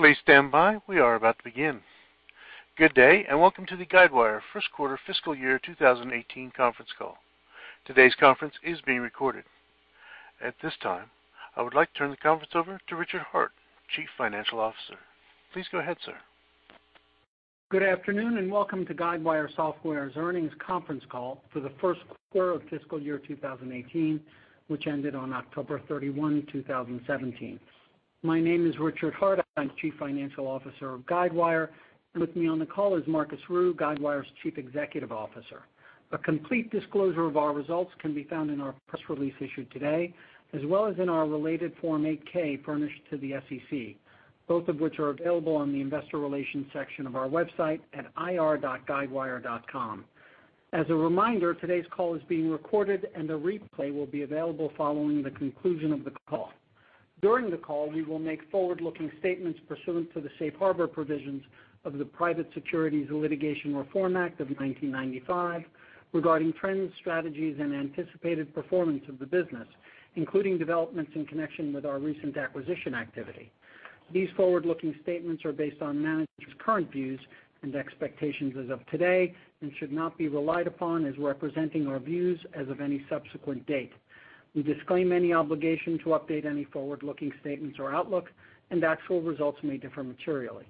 Please stand by. We are about to begin. Good day. Welcome to the Guidewire First Quarter Fiscal Year 2018 conference call. Today's conference is being recorded. At this time, I would like to turn the conference over to Richard Hart, Chief Financial Officer. Please go ahead, sir. Good afternoon. Welcome to Guidewire Software's earnings conference call for the first quarter of fiscal year 2018, which ended on October 31, 2017. My name is Richard Hart. I'm Chief Financial Officer of Guidewire, and with me on the call is Marcus Ryu, Guidewire's Chief Executive Officer. A complete disclosure of our results can be found in our press release issued today, as well as in our related Form 8-K furnished to the SEC, both of which are available on the investor relations section of our website at ir.guidewire.com. As a reminder, today's call is being recorded. A replay will be available following the conclusion of the call. During the call, we will make forward-looking statements pursuant to the safe harbor provisions of the Private Securities Litigation Reform Act of 1995, regarding trends, strategies, and anticipated performance of the business, including developments in connection with our recent acquisition activity. These forward-looking statements are based on management's current views and expectations as of today and should not be relied upon as representing our views as of any subsequent date. We disclaim any obligation to update any forward-looking statements or outlook. Actual results may differ materially.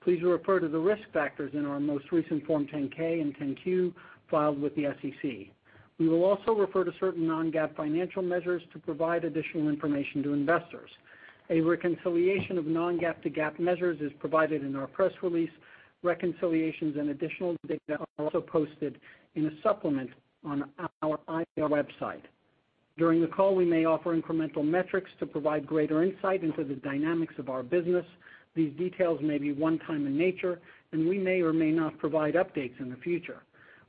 Please refer to the risk factors in our most recent Form 10-K and 10-Q filed with the SEC. We will also refer to certain non-GAAP financial measures to provide additional information to investors. A reconciliation of non-GAAP to GAAP measures is provided in our press release. Reconciliations and additional data are also posted in a supplement on our IR website. During the call, we may offer incremental metrics to provide greater insight into the dynamics of our business. These details may be one-time in nature. We may or may not provide updates in the future.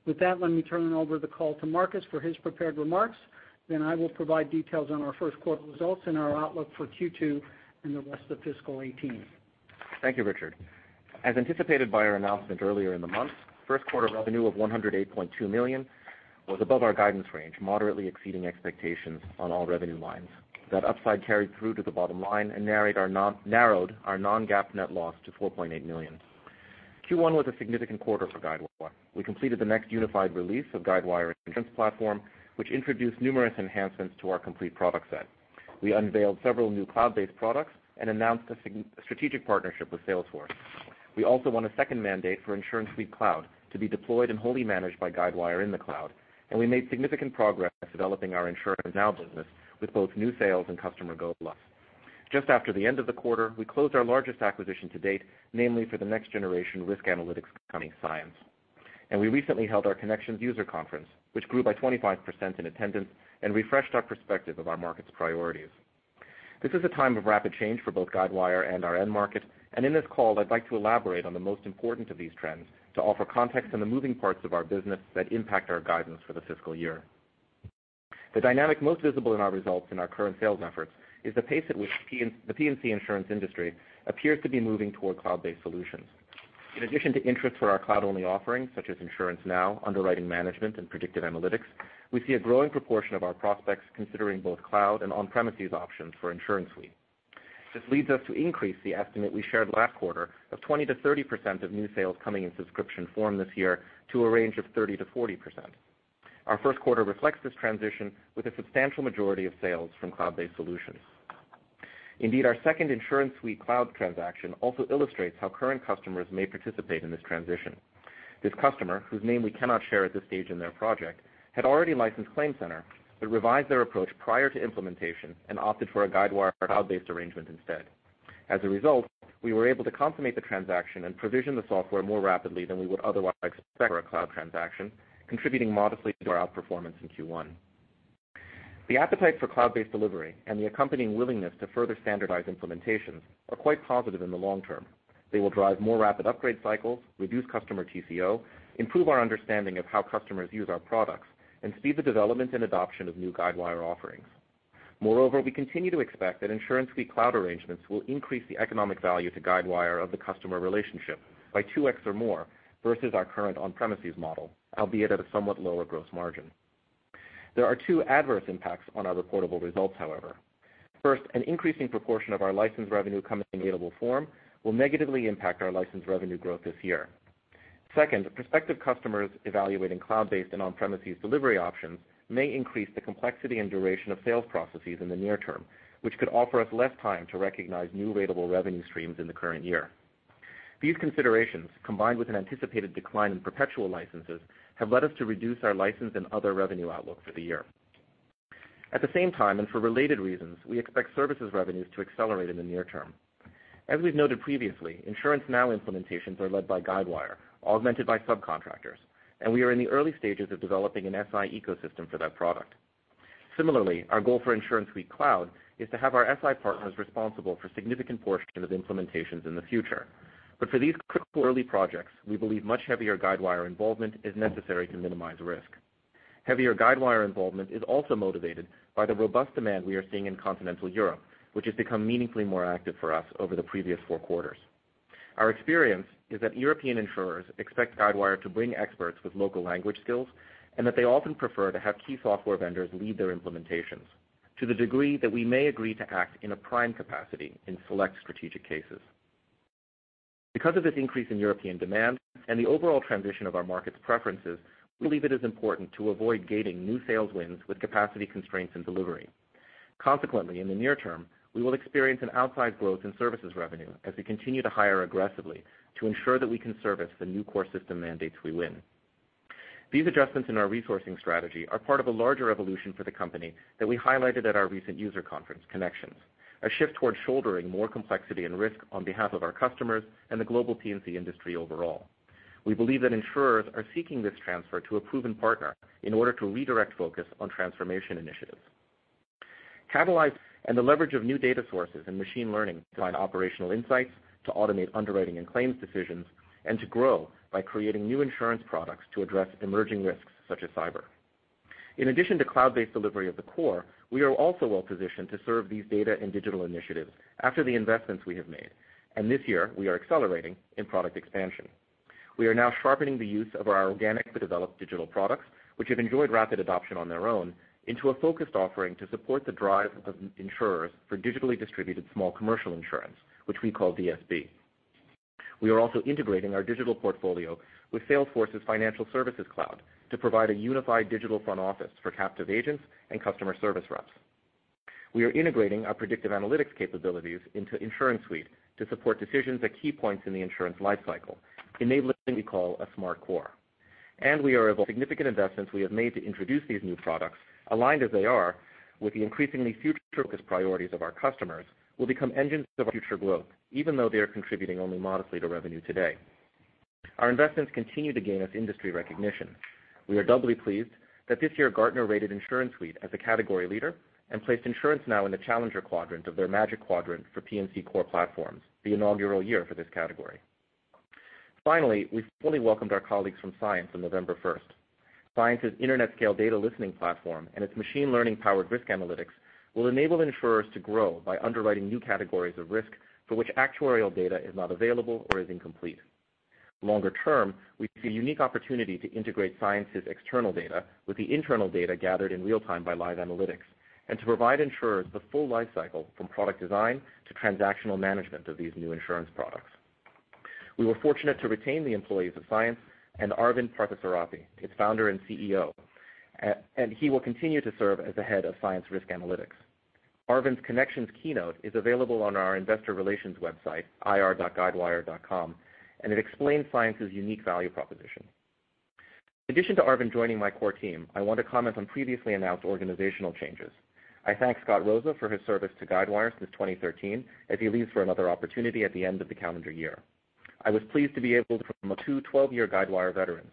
With that, let me turn over the call to Marcus for his prepared remarks. I will provide details on our first quarter results and our outlook for Q2 and the rest of fiscal 2018. Thank you, Richard. As anticipated by our announcement earlier in the month, first quarter revenue of $108.2 million was above our guidance range, moderately exceeding expectations on all revenue lines. That upside carried through to the bottom line and narrowed our non-GAAP net loss to $4.8 million. Q1 was a significant quarter for Guidewire. We completed the next unified release of Guidewire Insurance Platform, which introduced numerous enhancements to our complete product set. We unveiled several new cloud-based products and announced a strategic partnership with Salesforce. We also won a second mandate for InsuranceSuite Cloud to be deployed and wholly managed by Guidewire in the cloud, and we made significant progress developing our InsuranceNow business with both new sales and customer go-lives. Just after the end of the quarter, we closed our largest acquisition to date, namely for the next-generation risk analytics company Cyence. We recently held our Connections user conference, which grew by 25% in attendance and refreshed our perspective of our market's priorities. This is a time of rapid change for both Guidewire and our end market, and in this call, I'd like to elaborate on the most important of these trends to offer context on the moving parts of our business that impact our guidance for the fiscal year. The dynamic most visible in our results and our current sales efforts is the pace at which the P&C insurance industry appears to be moving toward cloud-based solutions. In addition to interest for our cloud-only offerings, such as InsuranceNow, Underwriting Management, and Predictive Analytics, we see a growing proportion of our prospects considering both cloud and on-premises options for InsuranceSuite. This leads us to increase the estimate we shared last quarter of 20%-30% of new sales coming in subscription form this year to a range of 30%-40%. Our first quarter reflects this transition with a substantial majority of sales from cloud-based solutions. Indeed, our second InsuranceSuite Cloud transaction also illustrates how current customers may participate in this transition. This customer, whose name we cannot share at this stage in their project, had already licensed ClaimCenter but revised their approach prior to implementation and opted for a Guidewire cloud-based arrangement instead. As a result, we were able to consummate the transaction and provision the software more rapidly than we would otherwise expect for a cloud transaction, contributing modestly to our outperformance in Q1. The appetite for cloud-based delivery and the accompanying willingness to further standardize implementations are quite positive in the long term. They will drive more rapid upgrade cycles, reduce customer TCO, improve our understanding of how customers use our products, and speed the development and adoption of new Guidewire offerings. Moreover, we continue to expect that InsuranceSuite Cloud arrangements will increase the economic value to Guidewire of the customer relationship by 2x or more versus our current on-premises model, albeit at a somewhat lower gross margin. There are two adverse impacts on our reportable results, however. First, an increasing proportion of our license revenue coming in ratable form will negatively impact our license revenue growth this year. Second, prospective customers evaluating cloud-based and on-premises delivery options may increase the complexity and duration of sales processes in the near term, which could offer us less time to recognize new ratable revenue streams in the current year. These considerations, combined with an anticipated decline in perpetual licenses, have led us to reduce our license and other revenue outlook for the year. At the same time, and for related reasons, we expect services revenues to accelerate in the near term. As we've noted previously, InsuranceNow implementations are led by Guidewire, augmented by subcontractors, and we are in the early stages of developing an SI ecosystem for that product. Similarly, our goal for InsuranceSuite Cloud is to have our SI partners responsible for significant portions of implementations in the future. For these critical early projects, we believe much heavier Guidewire involvement is necessary to minimize risk. Heavier Guidewire involvement is also motivated by the robust demand we are seeing in Continental Europe, which has become meaningfully more active for us over the previous four quarters. Our experience is that European insurers expect Guidewire to bring experts with local language skills, and that they often prefer to have key software vendors lead their implementations to the degree that we may agree to act in a prime capacity in select strategic cases. Because of this increase in European demand and the overall transition of our market's preferences, we believe it is important to avoid gating new sales wins with capacity constraints in delivery. Consequently, in the near term, we will experience an outsized growth in services revenue as we continue to hire aggressively to ensure that we can service the new core system mandates we win. These adjustments in our resourcing strategy are part of a larger evolution for the company that we highlighted at our recent user conference Connections, a shift towards shouldering more complexity and risk on behalf of our customers and the global P&C industry overall. We believe that insurers are seeking this transfer to a proven partner in order to redirect focus on transformation initiatives. Catalyze and the leverage of new data sources and machine learning to find operational insights, to automate underwriting and claims decisions, and to grow by creating new insurance products to address emerging risks such as cyber. In addition to cloud-based delivery of the core, we are also well-positioned to serve these data and digital initiatives after the investments we have made. This year, we are accelerating in product expansion. We are now sharpening the use of our organically developed digital products, which have enjoyed rapid adoption on their own, into a focused offering to support the drive of insurers for digitally distributed small commercial insurance, which we call DSB. We are also integrating our digital portfolio with Salesforce's Financial Services Cloud to provide a unified digital front office for captive agents and customer service reps. We are integrating our predictive analytics capabilities into InsuranceSuite to support decisions at key points in the insurance lifecycle, enabling what we call a smart core. We are evaluating significant investments we have made to introduce these new products, aligned as they are with the increasingly future-focused priorities of our customers, will become engines of our future growth, even though they are contributing only modestly to revenue today. Our investments continue to gain us industry recognition. We are doubly pleased that this year Gartner rated InsuranceSuite as a category leader and placed InsuranceNow in the challenger quadrant of their Magic Quadrant for P&C core platforms, the inaugural year for this category. Finally, we formally welcomed our colleagues from Cyence on November first. Cyence's internet-scale data listening platform and its machine learning-powered risk analytics will enable insurers to grow by underwriting new categories of risk for which actuarial data is not available or is incomplete. Longer term, we see a unique opportunity to integrate Cyence's external data with the internal data gathered in real time by live analytics and to provide insurers the full life cycle from product design to transactional management of these new insurance products. We were fortunate to retain the employees of Cyence and Arvind Parthasarathi, its founder and CEO. He will continue to serve as the head of Cyence Risk Analytics. Arvind's Connections keynote is available on our investor relations website, ir.guidewire.com, and it explains Cyence's unique value proposition. In addition to Arvind joining my core team, I want to comment on previously announced organizational changes. I thank Scott Roza for his service to Guidewire since 2013 as he leaves for another opportunity at the end of the calendar year. I was pleased to be able to promote two 12-year Guidewire veterans,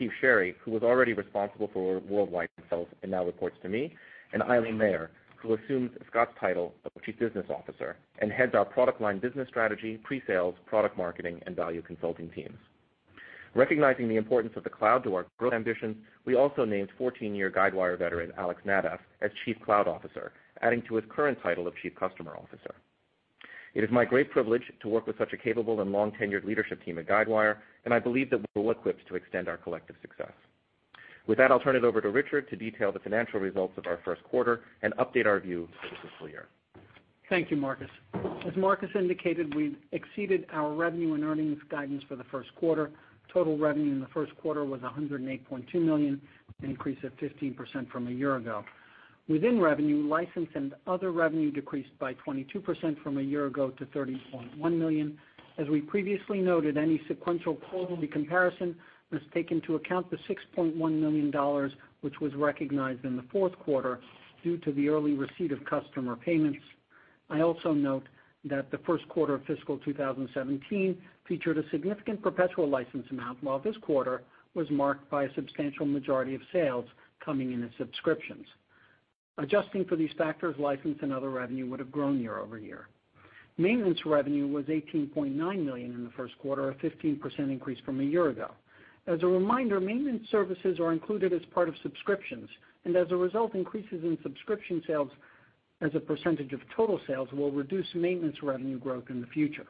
Steve Sherry, who was already responsible for worldwide sales and now reports to me, and Eileen Maher, who assumes Scott's title of Chief Business Officer and heads our product line business strategy, pre-sales, product marketing, and value consulting teams. Recognizing the importance of the cloud to our growth ambitions, we also named 14-year Guidewire veteran Alex Naddaff as Chief Cloud Officer, adding to his current title of Chief Customer Officer. It is my great privilege to work with such a capable and long-tenured leadership team at Guidewire, and I believe that we're well-equipped to extend our collective success. With that, I'll turn it over to Richard to detail the financial results of our first quarter and update our view for the fiscal year. Thank you, Marcus. As Marcus indicated, we exceeded our revenue and earnings guidance for the first quarter. Total revenue in the first quarter was $108.2 million, an increase of 15% from a year ago. Within revenue, license and other revenue decreased by 22% from a year ago to $30.1 million. As we previously noted, any sequential comparison must take into account the $6.1 million, which was recognized in the fourth quarter due to the early receipt of customer payments. I also note that the first quarter of fiscal 2017 featured a significant perpetual license amount, while this quarter was marked by a substantial majority of sales coming in as subscriptions. Adjusting for these factors, license and other revenue would have grown year-over-year. Maintenance revenue was $18.9 million in the first quarter, a 15% increase from a year ago. As a reminder, maintenance services are included as part of subscriptions. As a result, increases in subscription sales as a percentage of total sales will reduce maintenance revenue growth in the future.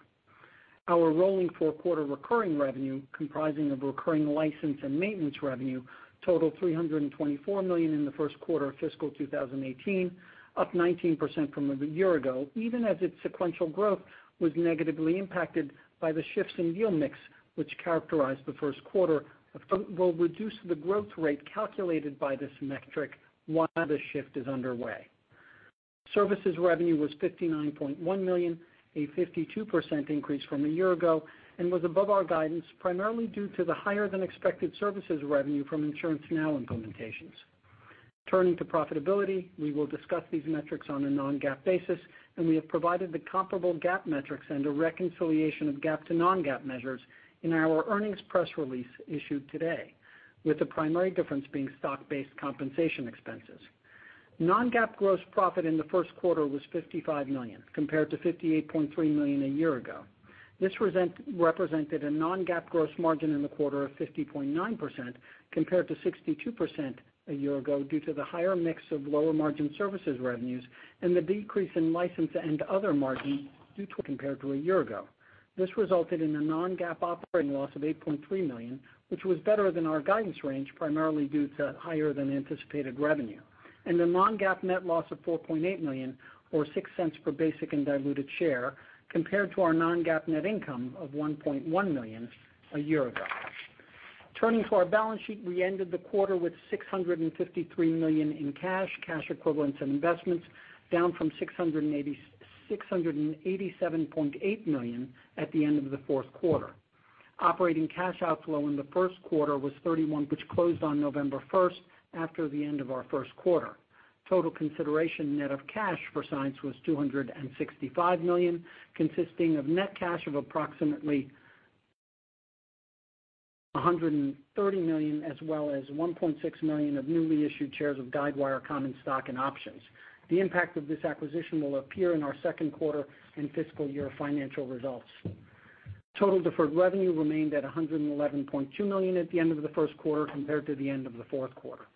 Our rolling four-quarter recurring revenue, comprising of recurring license and maintenance revenue, totaled $324 million in the first quarter of fiscal 2018, up 19% from a year ago, even as its sequential growth was negatively impacted by the shifts in deal mix, which characterized the first quarter, will reduce the growth rate calculated by this metric while this shift is underway. Services revenue was $59.1 million, a 52% increase from a year ago, and was above our guidance, primarily due to the higher-than-expected services revenue from InsuranceNow implementations. Turning to profitability, we will discuss these metrics on a non-GAAP basis. We have provided the comparable GAAP metrics and a reconciliation of GAAP to non-GAAP measures in our earnings press release issued today, with the primary difference being stock-based compensation expenses. Non-GAAP gross profit in the first quarter was $55 million, compared to $58.3 million a year ago. This represented a non-GAAP gross margin in the quarter of 50.9%, compared to 62% a year ago, due to the higher mix of lower margin services revenues and the decrease in license and other margin compared to a year ago. This resulted in a non-GAAP operating loss of $8.3 million, which was better than our guidance range, primarily due to higher than anticipated revenue. A non-GAAP net loss of $4.8 million or $0.06 per basic and diluted share, compared to our non-GAAP net income of $1.1 million a year ago. Turning to our balance sheet, we ended the quarter with $653 million in cash equivalents and investments, down from $687.8 million at the end of the fourth quarter. Operating cash outflow in the first quarter [was $31.2 million] which closed on November 1st, after the end of our first quarter. Total consideration net of cash for Cyence was $265 million, consisting of net cash of approximately $130 million, as well as $1.6 million newly issued shares of Guidewire common stock and options. The impact of this acquisition will appear in our second quarter and fiscal year financial results. Total deferred revenue remained at $111.2 million at the end of the first quarter, compared to the end of the fourth quarter.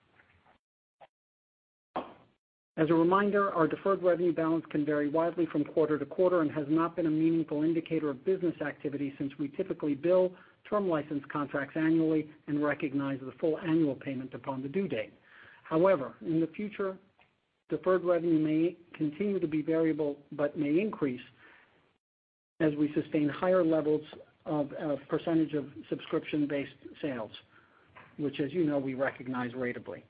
As a reminder, our deferred revenue balance can vary widely from quarter to quarter and has not been a meaningful indicator of business activity since we typically bill term license contracts annually and recognize the full annual payment upon the due date. However, in the future, deferred revenue may continue to be variable, but may increase as we sustain higher levels of percentage of subscription-based sales, which as you know, we recognize ratably.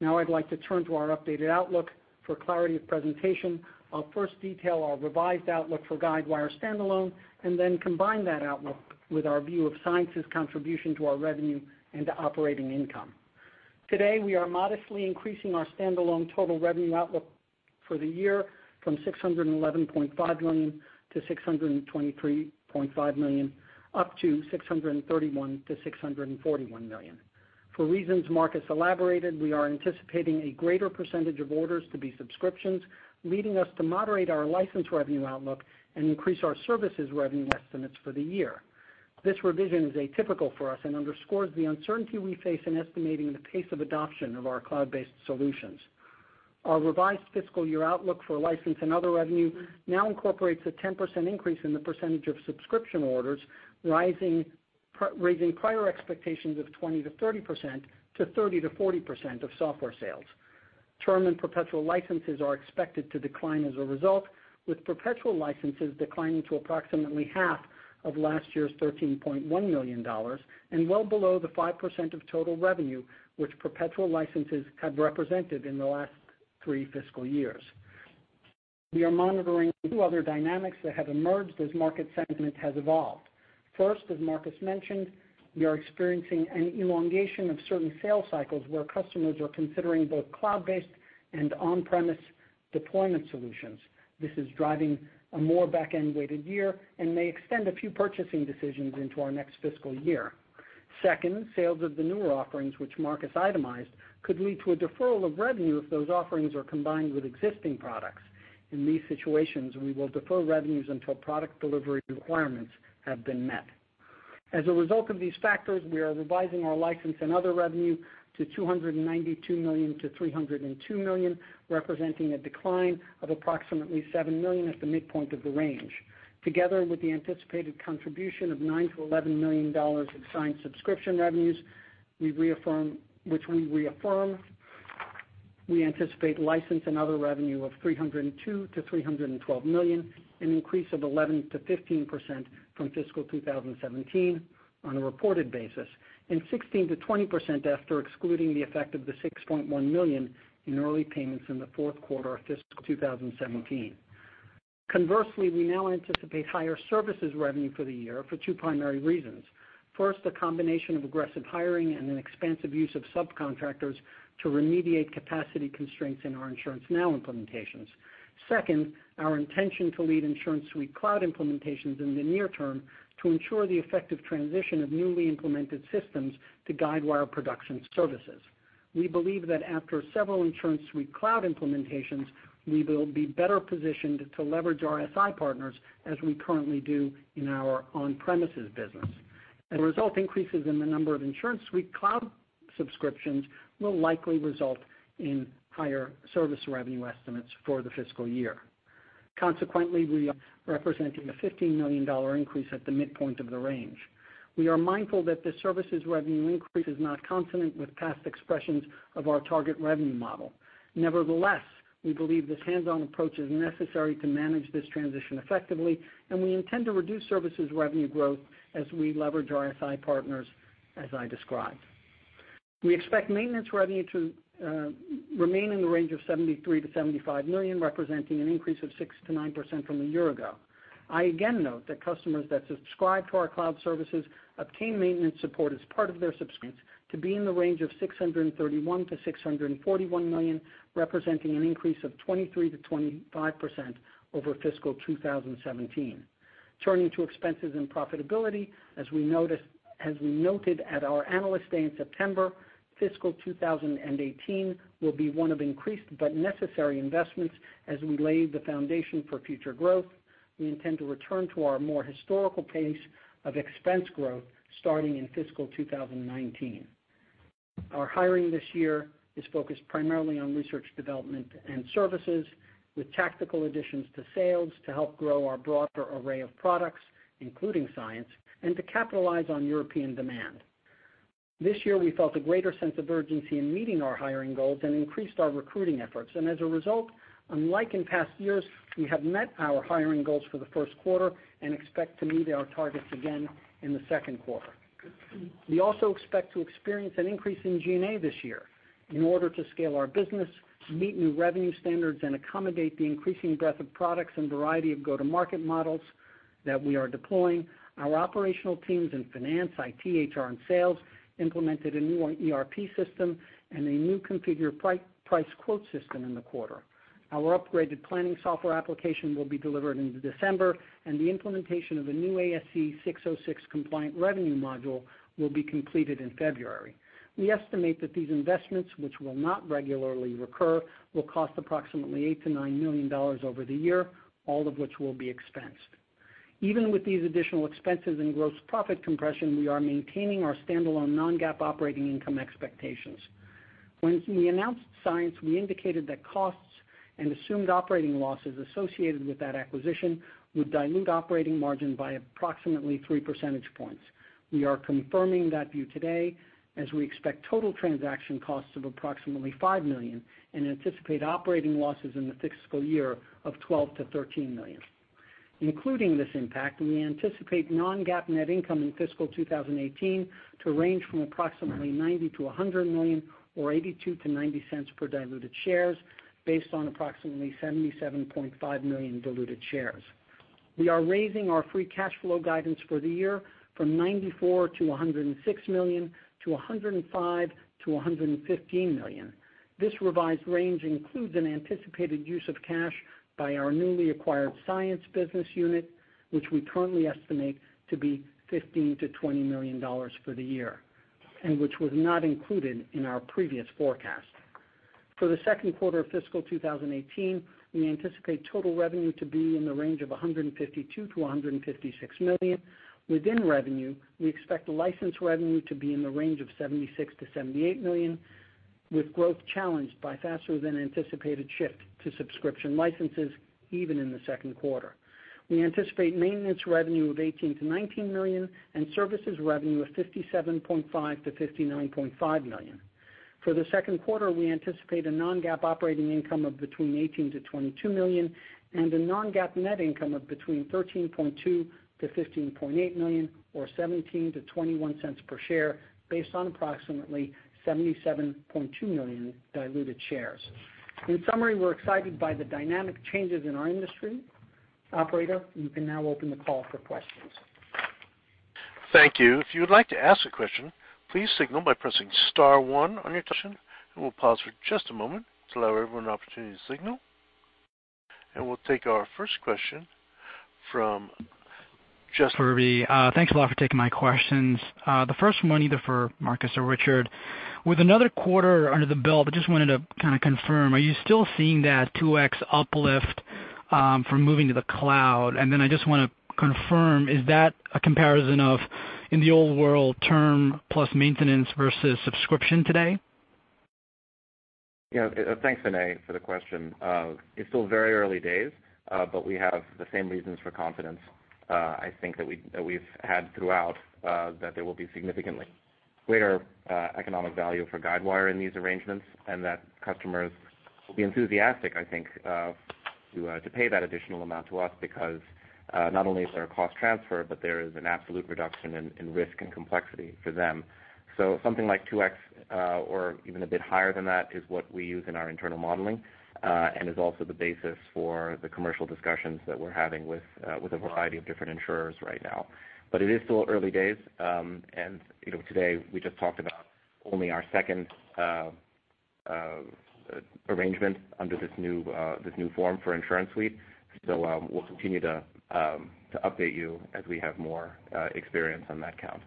Now I'd like to turn to our updated outlook. For clarity of presentation, I'll first detail our revised outlook for Guidewire standalone and then combine that outlook with our view of Cyence's contribution to our revenue and operating income. Today, we are modestly increasing our standalone total revenue outlook for the year from $611.5 million-$623.5 million, up to $640 million-$652 million. For reasons Marcus elaborated, we are anticipating a greater percentage of orders to be subscriptions, leading us to moderate our license revenue outlook and increase our services revenue estimates for the year. This revision is atypical for us and underscores the uncertainty we face in estimating the pace of adoption of our cloud-based solutions. Our revised fiscal year outlook for license and other revenue now incorporates a 10% increase in the percentage of subscription orders, raising prior expectations of 20%-30%, to 30%-40% of software sales. Term and perpetual licenses are expected to decline as a result, with perpetual licenses declining to approximately half of last year's $13.1 million, and well below the 5% of total revenue which perpetual licenses have represented in the last three fiscal years. We are monitoring two other dynamics that have emerged as market sentiment has evolved. First, as Marcus mentioned, we are experiencing an elongation of certain sales cycles where customers are considering both cloud-based and on-premise deployment solutions. This is driving a more back-end-weighted year and may extend a few purchasing decisions into our next fiscal year. Second, sales of the newer offerings, which Marcus itemized, could lead to a deferral of revenue if those offerings are combined with existing products. In these situations, we will defer revenues until product delivery requirements have been met. As a result of these factors, we are revising our license and other revenue to $292 million-$302 million, representing a decline of approximately $7 million at the midpoint of the range. Together with the anticipated contribution of $9 million-$11 million of Cyence subscription revenues, which we reaffirm, we anticipate license and other revenue of $302 million-$312 million, an increase of 11%-15% from fiscal 2017 on a reported basis, and 16%-20% after excluding the effect of the $6.1 million in early payments in the fourth quarter of fiscal 2017. Conversely, we now anticipate higher services revenue for the year for two primary reasons. First, the combination of aggressive hiring and an expansive use of subcontractors to remediate capacity constraints in our InsuranceNow implementations. Second, our intention to lead InsuranceSuite Cloud implementations in the near term to ensure the effective transition of newly implemented systems to Guidewire Professional Services. We believe that after several InsuranceSuite Cloud implementations, we will be better positioned to leverage SI partners as we currently do in our on-premises business. As a result, increases in the number of InsuranceSuite Cloud subscriptions will likely result in higher service revenue estimates for the fiscal year. Consequently, we are representing a $15 million increase at the midpoint of the range. We are mindful that the services revenue increase is not consonant with past expressions of our target revenue model. Nevertheless, we believe this hands-on approach is necessary to manage this transition effectively, and we intend to reduce services revenue growth as we leverage SI partners, as I described. We expect maintenance revenue to remain in the range of $73 million-$75 million, representing an increase of 6%-9% from a year ago. I again note that customers that subscribe to our cloud services obtain maintenance support as part of their [subscription fees] to be in the range of $631 million-$641 million, representing an increase of 23%-25% over fiscal 2017. Turning to expenses and profitability, as we noted at our Analyst Day in September, fiscal 2018 will be one of increased but necessary investments as we lay the foundation for future growth. We intend to return to our more historical pace of expense growth starting in fiscal 2019. Our hiring this year is focused primarily on research development and services, with tactical additions to sales to help grow our broader array of products, including Cyence, and to capitalize on European demand. This year, we felt a greater sense of urgency in meeting our hiring goals and increased our recruiting efforts. As a result, unlike in past years, we have met our hiring goals for the first quarter and expect to meet our targets again in the second quarter. We also expect to experience an increase in G&A this year in order to scale our business, meet new revenue standards, and accommodate the increasing breadth of products and variety of go-to-market models that we are deploying. Our operational teams in finance, IT, HR, and sales implemented a new ERP system and a new configure price quote system in the quarter. Our upgraded planning software application will be delivered in December, and the implementation of a new ASC 606-compliant revenue module will be completed in February. We estimate that these investments, which will not regularly recur, will cost approximately $8 million-$9 million over the year, all of which will be expensed. Even with these additional expenses and gross profit compression, we are maintaining our standalone non-GAAP operating income expectations. When we announced Cyence, we indicated that costs and assumed operating losses associated with that acquisition would dilute operating margin by approximately three percentage points. We are confirming that view today as we expect total transaction costs of approximately $5 million and anticipate operating losses in the fiscal year of $12 million-$13 million. Including this impact, we anticipate non-GAAP net income in fiscal 2018 to range from approximately $90 million-$100 million or $0.82-$0.90 per diluted shares, based on approximately 77.5 million diluted shares. We are raising our free cash flow guidance for the year from $94 million-$106 million to $105 million-$115 million. This revised range includes an anticipated use of cash by our newly acquired Cyence business unit, which we currently estimate to be $15 million-$20 million for the year, and which was not included in our previous forecast. For the second quarter of fiscal 2018, we anticipate total revenue to be in the range of $152 million-$156 million. Within revenue, we expect license revenue to be in the range of $76 million-$78 million, with growth challenged by a faster-than-anticipated shift to subscription licenses even in the second quarter. We anticipate maintenance revenue of $18 million-$19 million and services revenue of $57.5 million-$59.5 million. For the second quarter, we anticipate a non-GAAP operating income of between $18 million-$22 million and a non-GAAP net income of between $13.2 million-$15.8 million or $0.17-$0.21 per share based on approximately 77.2 million diluted shares. In summary, we're excited by the dynamic changes in our industry. Operator, you can now open the call for questions. Thank you. If you would like to ask a question, please signal by pressing *1 on your touchtone. We'll pause for just a moment to allow everyone an opportunity to signal. We'll take our first question from- Bhavan Suri. Thanks a lot for taking my questions. The first one, either for Marcus or Richard. With another quarter under the belt, I just wanted to kind of confirm, are you still seeing that 2x uplift from moving to the cloud? I just want to confirm, is that a comparison of, in the old world, term plus maintenance versus subscription today? Yeah. Thanks, Bhavan, for the question. It's still very early days, but we have the same reasons for confidence I think that we've had throughout, that there will be significantly greater economic value for Guidewire in these arrangements and that customers will be enthusiastic, I think, to pay that additional amount to us because not only is there a cost transfer, but there is an absolute reduction in risk and complexity for them. Something like 2x or even a bit higher than that is what we use in our internal modeling. Is also the basis for the commercial discussions that we're having with a variety of different insurers right now. It is still early days, and today we just talked about only our second arrangement under this new form for InsuranceSuite. We'll continue to update you as we have more experience on that count.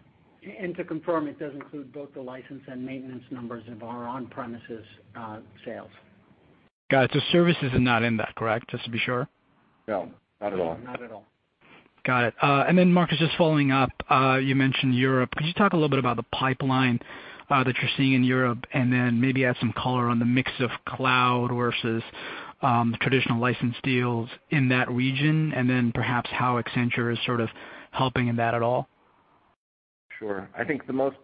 To confirm, it does include both the license and maintenance numbers of our on-premises sales. Got it. Services are not in that, correct? Just to be sure. No, not at all. Not at all. Got it. Marcus, just following up, you mentioned Europe. Could you talk a little bit about the pipeline that you're seeing in Europe and then maybe add some color on the mix of cloud versus traditional license deals in that region, and then perhaps how Accenture is sort of helping in that at all? Sure. I think the most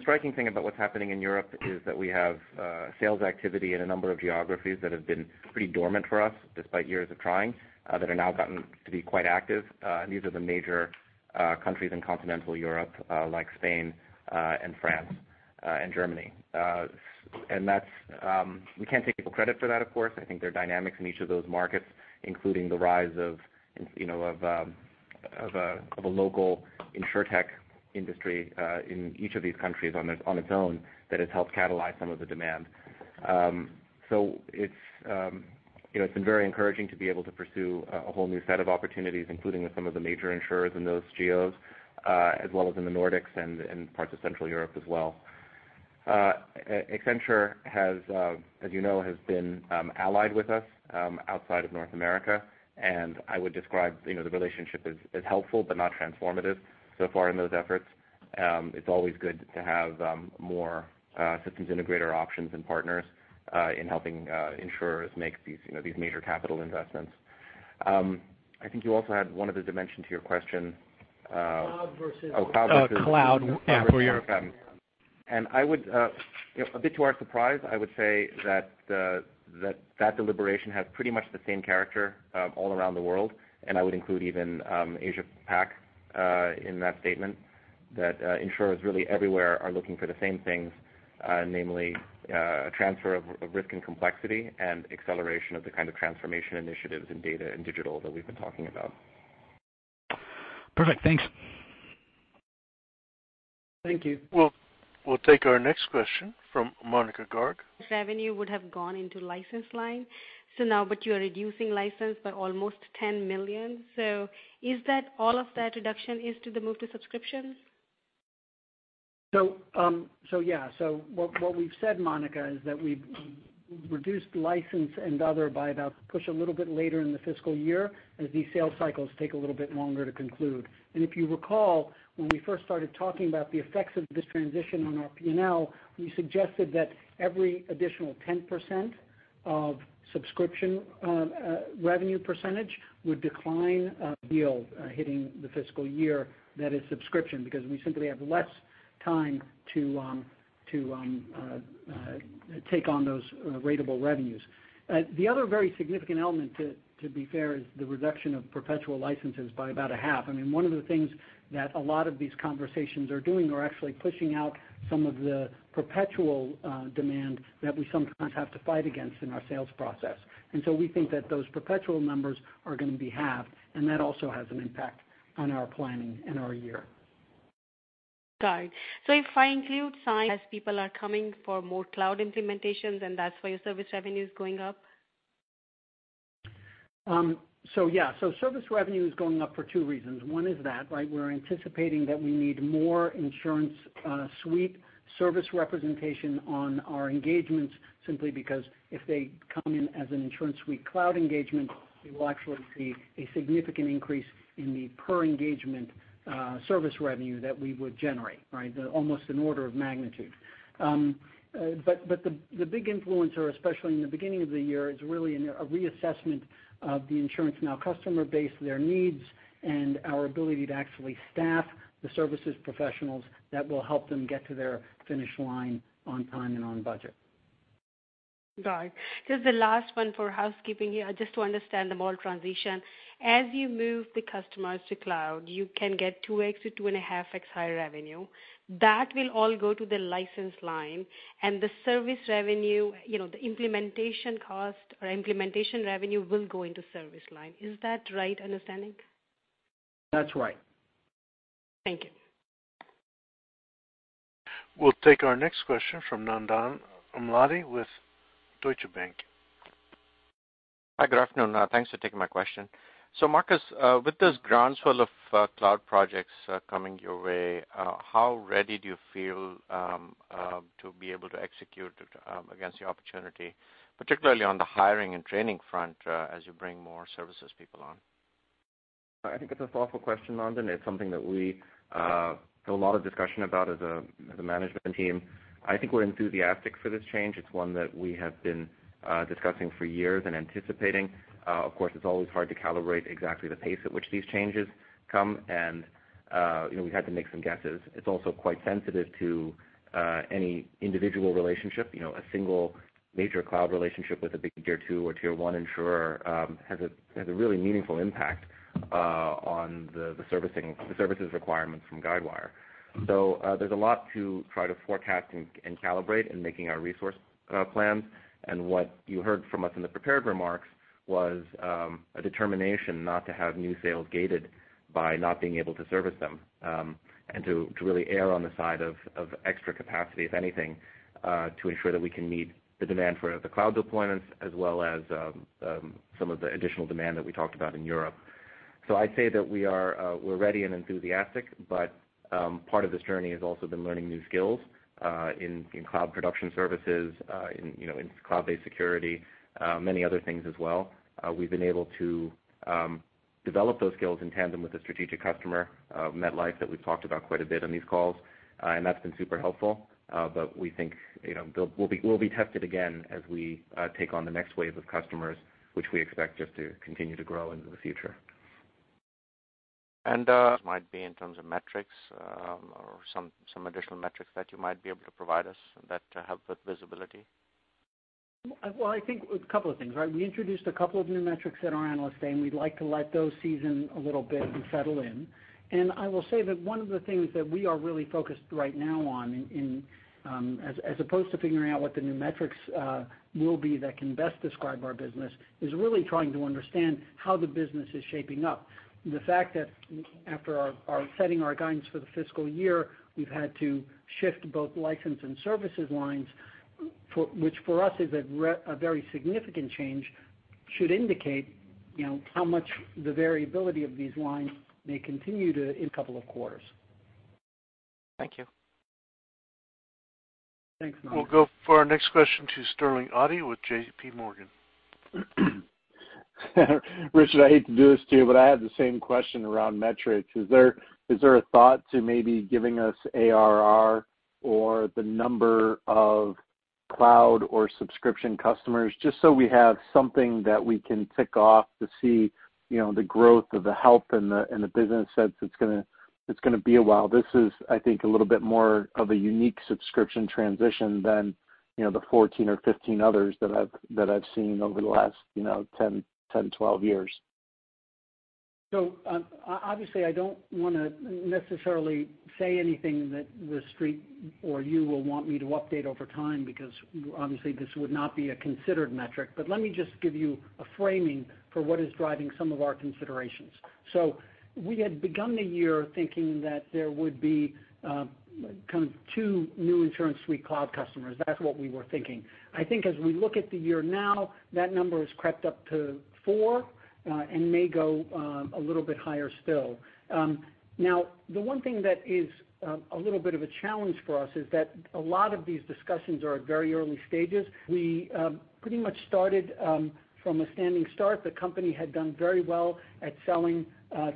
striking thing about what's happening in Europe is that we have sales activity in a number of geographies that have been pretty dormant for us, despite years of trying, that have now gotten to be quite active. These are the major countries in continental Europe, like Spain and France and Germany. We can't take credit for that, of course. I think there are dynamics in each of those markets, including the rise of a local insurtech industry in each of these countries on its own that has helped catalyze some of the demand. It's been very encouraging to be able to pursue a whole new set of opportunities, including with some of the major insurers in those geos, as well as in the Nordics and parts of Central Europe as well. Accenture, as you know, has been allied with us outside of North America. I would describe the relationship as helpful but not transformative so far in those efforts. It's always good to have more systems integrator options and partners in helping insurers make these major capital investments. I think you also had one other dimension to your question. Cloud versus Cloud versus Cloud, yeah, for your- A bit to our surprise, I would say that deliberation has pretty much the same character all around the world, and I would include even Asia Pac in that statement. That insurers really everywhere are looking for the same things, namely a transfer of risk and complexity and acceleration of the kind of transformation initiatives in data and digital that we've been talking about. Perfect. Thanks. Thank you. We'll take our next question from Monika Garg. Revenue would have gone into license line. Now, you're reducing license by almost $10 million. Is that all of that reduction is to the move to subscriptions? Yeah. What we've said, Monika, is that we've reduced license and other by about push a little bit later in the fiscal year as these sales cycles take a little bit longer to conclude. If you recall, when we first started talking about the effects of this transition on our P&L, we suggested that every additional 10% of subscription revenue percentage would decline yield hitting the fiscal year that is subscription, because we simply have less time to take on those ratable revenues. The other very significant element, to be fair, is the reduction of perpetual licenses by about a half. I mean, one of the things that a lot of these conversations are doing are actually pushing out some of the perpetual demand that we sometimes have to fight against in our sales process. We think that those perpetual numbers are going to be halved, and that also has an impact on our planning and our year. Got it. If I include SI as people are coming for more cloud implementations, and that's why your service revenue is going up? Yeah. Service revenue is going up for two reasons. One is that, we're anticipating that we need more InsuranceSuite service representation on our engagements, simply because if they come in as an InsuranceSuite Cloud engagement, we will actually see a significant increase in the per-engagement service revenue that we would generate, right? Almost an order of magnitude. The big influencer, especially in the beginning of the year, is really a reassessment of the InsuranceNow customer base, their needs, and our ability to actually staff the services professionals that will help them get to their finish line on time and on budget. Got it. Just the last one for housekeeping here, just to understand the model transition. As you move the customers to cloud, you can get 2X to 2.5X higher revenue. That will all go to the license line and the service revenue, the implementation cost or implementation revenue will go into service line. Is that right understanding? That's right. Thank you. We'll take our next question from Nandan Amladi with Deutsche Bank. Hi, good afternoon. Thanks for taking my question. Marcus, with this groundswell of cloud projects coming your way, how ready do you feel to be able to execute against the opportunity, particularly on the hiring and training front as you bring more services people on? I think it's a thoughtful question, Nandan. It's something that we have a lot of discussion about as a management team. I think we're enthusiastic for this change. It's one that we have been discussing for years and anticipating. Of course, it's always hard to calibrate exactly the pace at which these changes come, and we've had to make some guesses. It's also quite sensitive to any individual relationship. A single major cloud relationship with a big tier 2 or tier 1 insurer has a really meaningful impact on the services requirements from Guidewire. There's a lot to try to forecast and calibrate in making our resource plans. What you heard from us in the prepared remarks was a determination not to have new sales gated by not being able to service them, to really err on the side of extra capacity, if anything, to ensure that we can meet the demand for the cloud deployments as well as some of the additional demand that we talked about in Europe. I'd say that we're ready and enthusiastic, but part of this journey has also been learning new skills in cloud production services, in cloud-based security, many other things as well. We've been able to develop those skills in tandem with a strategic customer, MetLife, that we've talked about quite a bit on these calls. That's been super helpful. We think we'll be tested again as we take on the next wave of customers, which we expect just to continue to grow into the future. Might be in terms of metrics or some additional metrics that you might be able to provide us that help with visibility? Well, I think a couple of things, right. We introduced a couple of new metrics at our Analyst Day, we'd like to let those season a little bit and settle in. I will say that one of the things that we are really focused right now on, as opposed to figuring out what the new metrics will be that can best describe our business, is really trying to understand how the business is shaping up. The fact that after setting our guidance for the fiscal year, we've had to shift both license and services lines, which for us is a very significant change, should indicate how much the variability of these lines may continue in a couple of quarters. Thank you. Thanks, Mike. We'll go for our next question to Sterling Auty with JPMorgan. Richard, I hate to do this to you, I had the same question around metrics. Is there a thought to maybe giving us ARR or the number of cloud or subscription customers, just so we have something that we can tick off to see the growth of the help in the business sense it's going to be a while? This is, I think, a little bit more of a unique subscription transition than the 14 or 15 others that I've seen over the last 10, 12 years. Obviously, I don't want to necessarily say anything that The Street or you will want me to update over time, because obviously this would not be a considered metric. Let me just give you a framing for what is driving some of our considerations. We had begun the year thinking that there would be two new InsuranceSuite Cloud customers. That's what we were thinking. I think as we look at the year now, that number has crept up to four, and may go a little bit higher still. The one thing that is a little bit of a challenge for us is that a lot of these discussions are at very early stages. We pretty much started from a standing start. The company had done very well at selling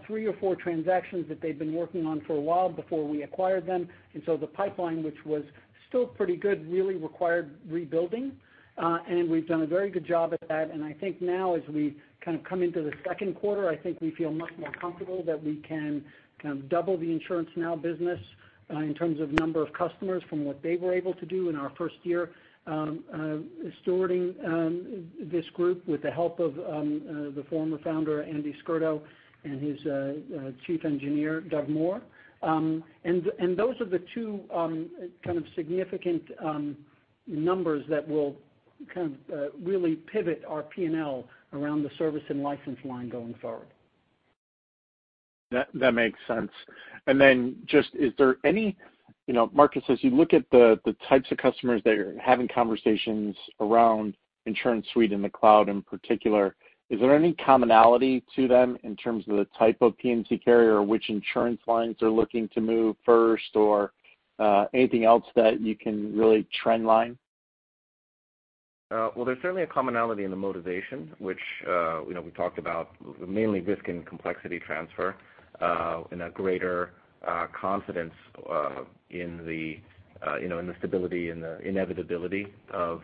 three or four transactions that they'd been working on for a while before we acquired them. The pipeline, which was still pretty good, really required rebuilding. We've done a very good job at that. I think now as we come into the second quarter, I think we feel much more comfortable that we can double the InsuranceNow business in terms of number of customers from what they were able to do in our first year, stewarding this group with the help of the former founder, Andy Scurto, and his chief engineer, Doug Moore. Those are the two significant numbers that will really pivot our P&L around the service and license line going forward. That makes sense. Just, Marcus, as you look at the types of customers that are having conversations around InsuranceSuite in the Cloud in particular, is there any commonality to them in terms of the type of P&C carrier or which insurance lines are looking to move first or anything else that you can really trend line? There's certainly a commonality in the motivation, which we talked about, mainly risk and complexity transfer, and a greater confidence in the stability and the inevitability of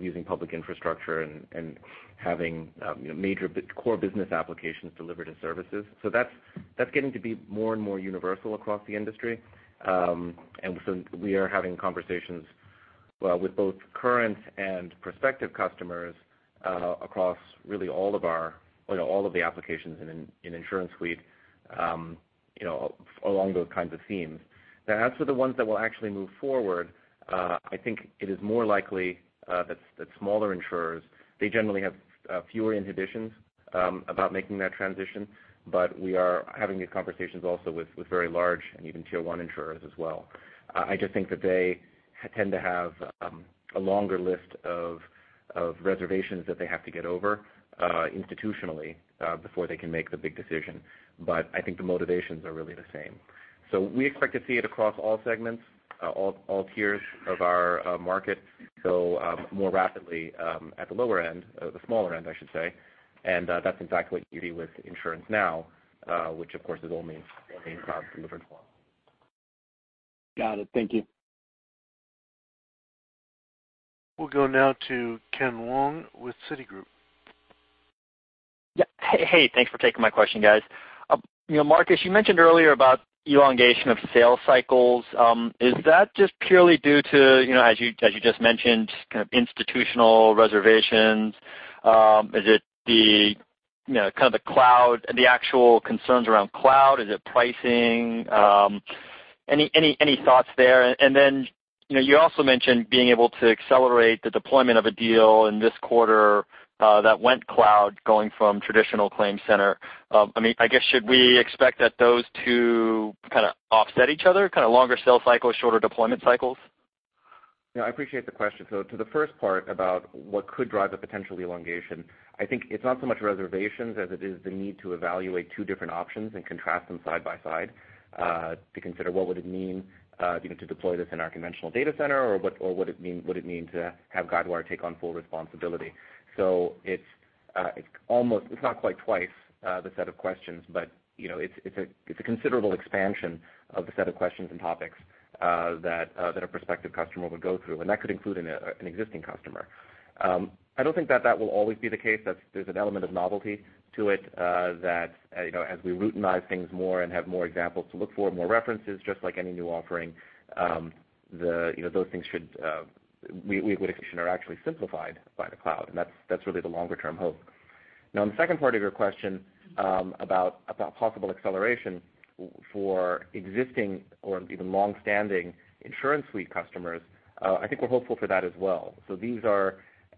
using public infrastructure and having major core business applications delivered as services. That's getting to be more and more universal across the industry. We are having conversations with both current and prospective customers across really all of the applications in InsuranceSuite along those kinds of themes. As for the ones that will actually move forward, I think it is more likely that smaller insurers, they generally have fewer inhibitions about making that transition. We are having these conversations also with very large and even tier 1 insurers as well. I just think that they tend to have a longer list of reservations that they have to get over institutionally before they can make the big decision. I think the motivations are really the same. We expect to see it across all segments, all tiers of our market go more rapidly at the lower end, the smaller end, I should say. That's exactly what you see with InsuranceNow which, of course, is only in cloud delivered form. Got it. Thank you. We'll go now to Ken Wong with Citigroup. Hey, thanks for taking my question, guys. Marcus, you mentioned earlier about elongation of sales cycles. Is that just purely due to, as you just mentioned, kind of institutional reservations? Is it the actual concerns around cloud? Is it pricing? Any thoughts there? Then, you also mentioned being able to accelerate the deployment of a deal in this quarter that went cloud, going from traditional ClaimCenter. I guess, should we expect that those two kind of offset each other? Kind of longer sales cycles, shorter deployment cycles? I appreciate the question. To the first part about what could drive a potential elongation, I think it's not so much reservations as it is the need to evaluate two different options and contrast them side by side to consider what would it mean to deploy this in our conventional data center, or what would it mean to have Guidewire take on full responsibility. It's not quite twice the set of questions, but it's a considerable expansion of the set of questions and topics that a prospective customer would go through. That could include an existing customer. I don't think that that will always be the case. There's an element of novelty to it that as we routinize things more and have more examples to look for, more references, just like any new offering, we would expect are actually simplified by the cloud, and that's really the longer-term hope. On the second part of your question about possible acceleration for existing or even long-standing InsuranceSuite customers, I think we're hopeful for that as well.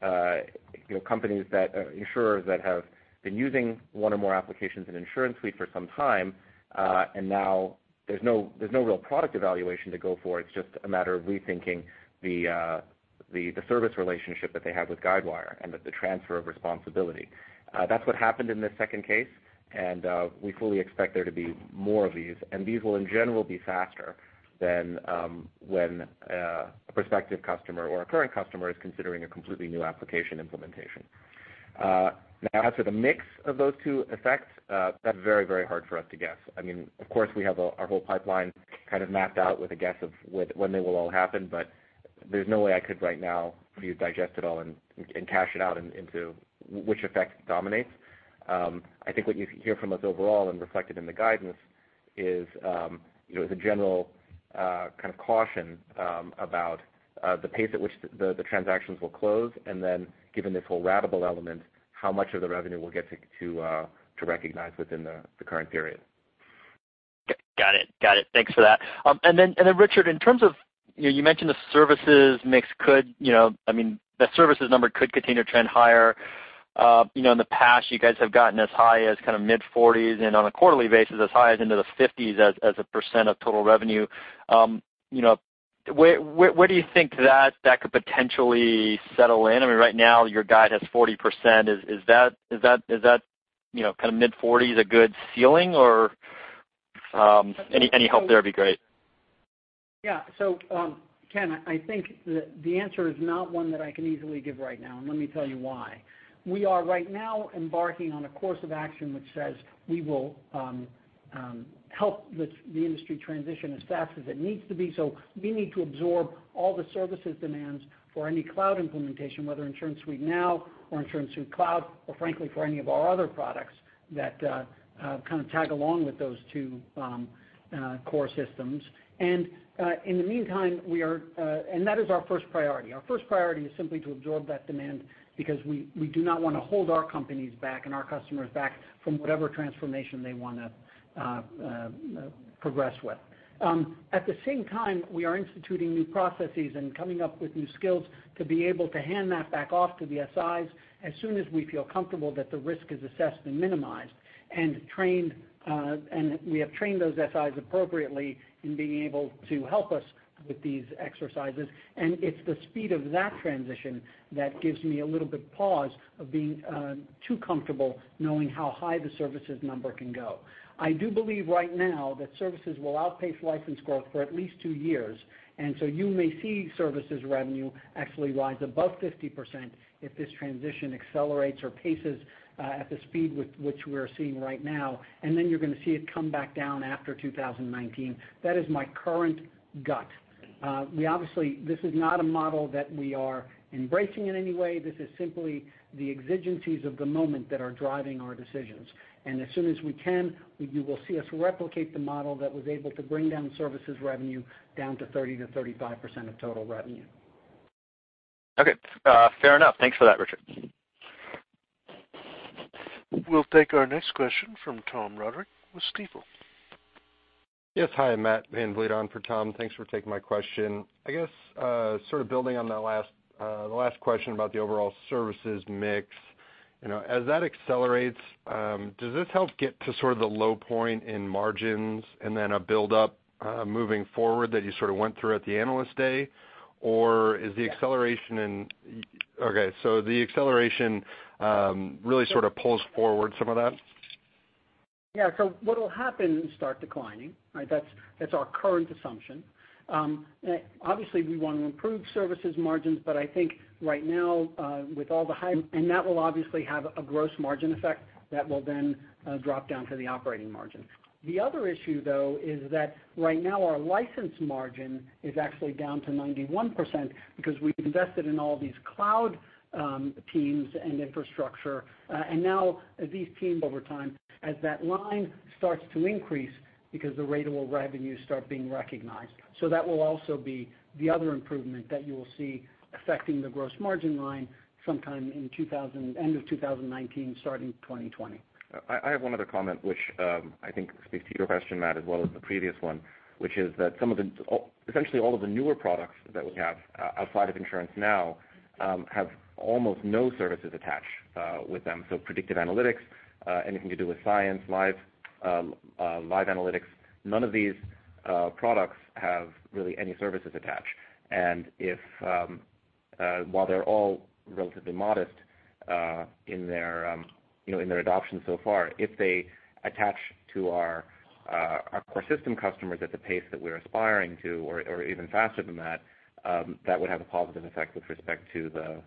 These are insurers that have been using one or more applications in InsuranceSuite for some time, and now there's no real product evaluation to go for. It's just a matter of rethinking the service relationship that they have with Guidewire and the transfer of responsibility. That's what happened in this second case, we fully expect there to be more of these, and these will in general be faster than when a prospective customer or a current customer is considering a completely new application implementation. As for the mix of those two effects, that's very hard for us to guess. Of course, we have our whole pipeline kind of mapped out with a guess of when they will all happen, there's no way I could right now for you digest it all and cash it out into which effect dominates. I think what you hear from us overall and reflected in the guidance is the general kind of caution about the pace at which the transactions will close, given this whole ratable element, how much of the revenue we'll get to recognize within the current period. Got it. Thanks for that. Richard, you mentioned the services number could continue to trend higher. In the past, you guys have gotten as high as mid-40s and on a quarterly basis, as high as into the 50s as a % of total revenue. Where do you think that could potentially settle in? Right now, your guide has 40%. Is that mid-40s a good ceiling or any help there would be great. Ken, I think the answer is not one that I can easily give right now, and let me tell you why. We are right now embarking on a course of action which says we will help the industry transition as fast as it needs to be. We need to absorb all the services demands for any cloud implementation, whether InsuranceNow or InsuranceSuite Cloud, or frankly, for any of our other products that kind of tag along with those two core systems. That is our first priority. Our first priority is simply to absorb that demand because we do not want to hold our companies back and our customers back from whatever transformation they want to progress with. At the same time, we are instituting new processes and coming up with new skills to be able to hand that back off to the SIs as soon as we feel comfortable that the risk is assessed and minimized, and we have trained those SIs appropriately in being able to help us with these exercises. It's the speed of that transition that gives me a little bit pause of being too comfortable knowing how high the services number can go. I do believe right now that services will outpace license growth for at least 2 years, you may see services revenue actually rise above 50% if this transition accelerates or paces at the speed which we're seeing right now. You're going to see it come back down after 2019. That is my current gut. Obviously, this is not a model that we are embracing in any way. This is simply the exigencies of the moment that are driving our decisions. As soon as we can, you will see us replicate the model that was able to bring down services revenue down to 30%-35% of total revenue. Okay. Fair enough. Thanks for that, Richard. We'll take our next question from Tom Roderick with Stifel. Yes. Hi, Matt VanVliet for Tom. Thanks for taking my question. I guess sort of building on the last question about the overall services mix. As that accelerates, does this help get to sort of the low point in margins and then a buildup moving forward that you sort of went through at the Analyst Day? Or is the acceleration really sort of pulls forward some of that? Yeah. What'll happen is start declining, right? That's our current assumption. Obviously, we want to improve services margins, I think right now, with all the. That will obviously have a gross margin effect that will then drop down to the operating margin. The other issue, though, is that right now our license margin is actually down to 91% because we've invested in all these cloud teams and infrastructure. Now these teams over time, as that line starts to increase because the ratable revenue start being recognized. That will also be the other improvement that you will see affecting the gross margin line sometime end of 2019, starting 2020. I have one other comment, which I think speaks to your question, Matt, as well as the previous one, which is that essentially all of the newer products that we have outside of InsuranceNow have almost no services attached with them. Predictive Analytics, anything to do with Cyence, Guidewire Live, none of these products have really any services attached. While they're all relatively modest in their adoption so far, if they attach to our core system customers at the pace that we're aspiring to or even faster than that would have a positive effect with respect to the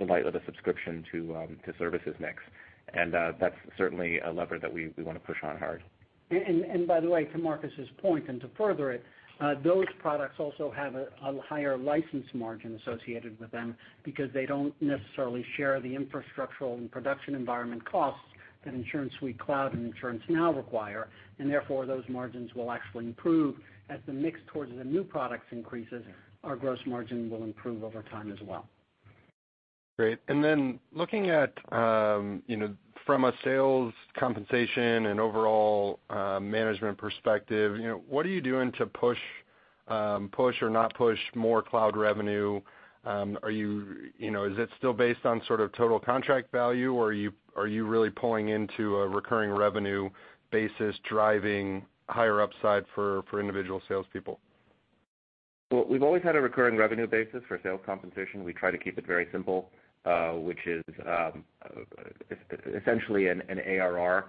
lightness of the subscription to services mix. That's certainly a lever that we want to push on hard. By the way, to Marcus' point, and to further it, those products also have a higher license margin associated with them because they don't necessarily share the infrastructural and production environment costs that InsuranceSuite Cloud and InsuranceNow require. Therefore, those margins will actually improve. As the mix towards the new products increases, our gross margin will improve over time as well. Great. Looking at from a sales compensation and overall management perspective, what are you doing to push or not push more cloud revenue? Is it still based on total contract value, or are you really pulling into a recurring revenue basis, driving higher upside for individual salespeople? Well, we've always had a recurring revenue basis for sales compensation. We try to keep it very simple, which is essentially an ARR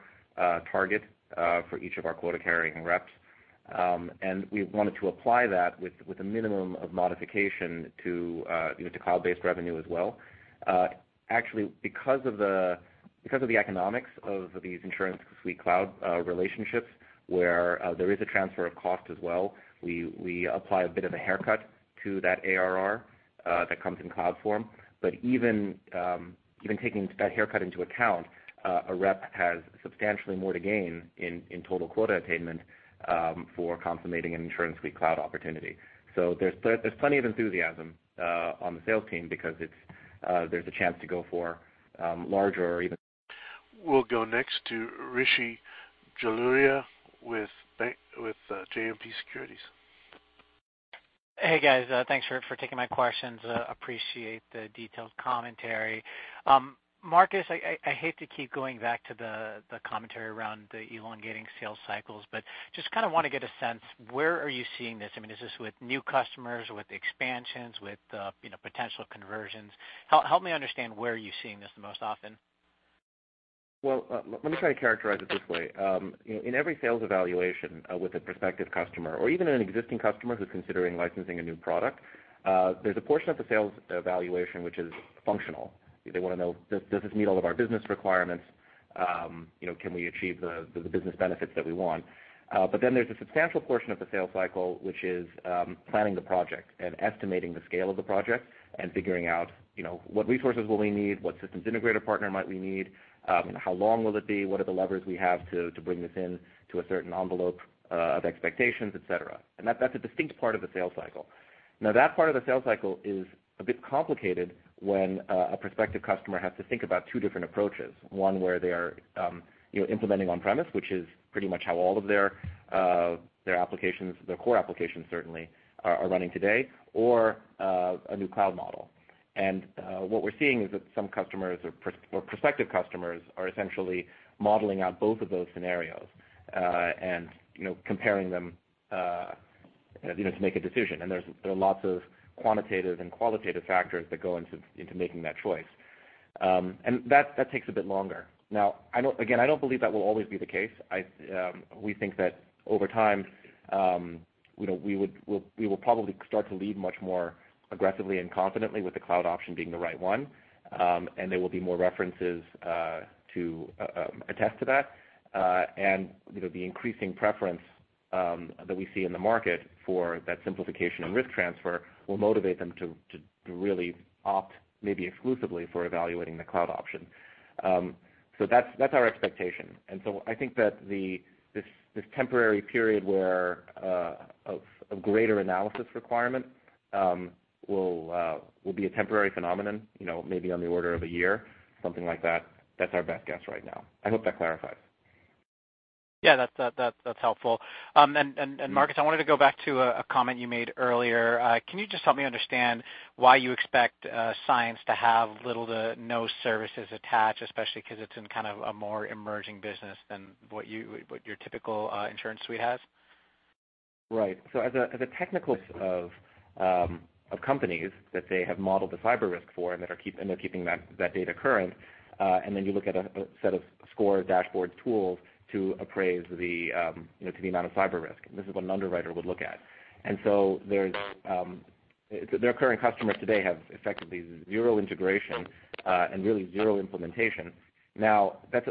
target for each of our quota-carrying reps. We wanted to apply that with a minimum of modification to cloud-based revenue as well. Actually, because of the economics of these InsuranceSuite Cloud relationships, where there is a transfer of cost as well, we apply a bit of a haircut to that ARR that comes in cloud form. Even taking that haircut into account, a rep has substantially more to gain in total quota attainment for consummating an InsuranceSuite Cloud opportunity. There's plenty of enthusiasm on the sales team because there's a chance to go for larger. We'll go next to Rishi Jaluria with JMP Securities. Hey, guys. Thanks for taking my questions. Appreciate the detailed commentary. Marcus, I hate to keep going back to the commentary around the elongating sales cycles, just kind of want to get a sense, where are you seeing this? Is this with new customers, with expansions, with potential conversions? Help me understand where you're seeing this the most often. Let me try to characterize it this way. In every sales evaluation with a prospective customer or even an existing customer who's considering licensing a new product, there's a portion of the sales evaluation which is functional. They want to know, does this meet all of our business requirements? Can we achieve the business benefits that we want? There's a substantial portion of the sales cycle which is planning the project and estimating the scale of the project and figuring out what resources will we need, what Systems Integrator partner might we need, how long will it be, what are the levers we have to bring this in to a certain envelope of expectations, et cetera. That's a distinct part of the sales cycle. That part of the sales cycle is a bit complicated when a prospective customer has to think about two different approaches. One where they are implementing on-premise, which is pretty much how all of their core applications certainly are running today, or a new cloud model. What we're seeing is that some customers or prospective customers are essentially modeling out both of those scenarios and comparing them to make a decision. There are lots of quantitative and qualitative factors that go into making that choice. That takes a bit longer. Again, I don't believe that will always be the case. We think that over time we will probably start to lead much more aggressively and confidently with the cloud option being the right one. There will be more references to attest to that. The increasing preference that we see in the market for that simplification and risk transfer will motivate them to really opt maybe exclusively for evaluating the cloud option. That's our expectation. I think that this temporary period of greater analysis requirement will be a temporary phenomenon maybe on the order of a year, something like that. That's our best guess right now. I hope that clarifies. Yeah, that's helpful. Marcus, I wanted to go back to a comment you made earlier. Can you just help me understand why you expect Cyence to have little to no services attached, especially because it's in kind of a more emerging business than what your typical InsuranceSuite has? Right. As a technical [repository] of companies that they have modeled the cyber risk for and they're keeping that data current, then you look at a set of score dashboard tools to appraise the amount of cyber risk. This is what an underwriter would look at. Their current customers today have effectively zero integration and really zero implementation. Now, there's